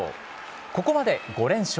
ここまで５連勝。